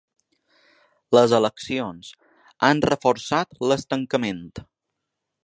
Les eleccions han reforçat l’estancament.